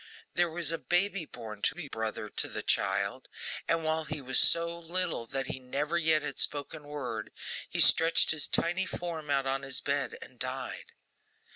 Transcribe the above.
There was a baby born to be a brother to the child; and while he was so little that he never yet had spoken word, he stretched his tiny form out on his bed, and died.